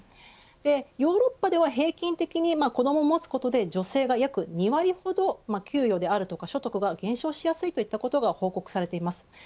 ヨーロッパでは平均的に子どもを持つことで女性が約２割ほど給与や所得が減少しやすいといったことが報告されています。